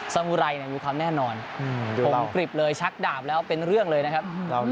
สมุไรมีความแน่นอนผมกริบเลยชักดาบแล้วเป็นเรื่องเลยนะครับ